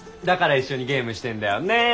だから一緒にゲームしてんだよね。ね。